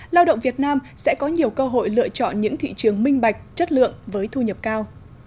lao động việt nam sẽ có nhiều cơ hội lựa chọn những thị trường minh bạch chất lượng với thu nhập cao